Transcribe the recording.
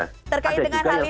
nah terkait dengan hal itu nih